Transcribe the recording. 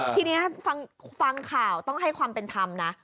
ทีนี้ฟังข่าวต้องให้ความเป็นธรรมนะ